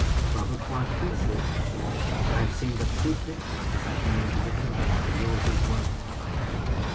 "Rather a quiet place this," said I. "I have seen but two faces since I came over the hill, and yours is one."